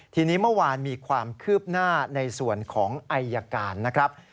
ทีนี้เมื่อวานมีความคืบหน้าในส่วนของอายการนะครับ